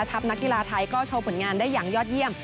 นักกีฬาไทยก็โชว์ผลงานได้อย่างยอดเยี่ยม